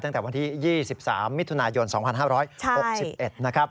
ตั้งแต่วันที่๒๓มิถุนายน๒๕๖๑นะครับ